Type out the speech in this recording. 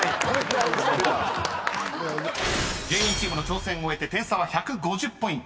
［芸人チームの挑戦を終えて点差は１５０ポイント］